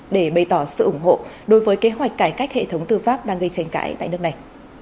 để bày tỏ sự ủng hộ đối với kế hoạch cải cách hệ thống tư pháp đang gây tranh cãi tại nước này